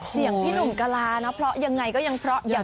เสียงพี่หนุ่มกะลานะเพราะยังไงก็ยังเพราะอย่างนั้น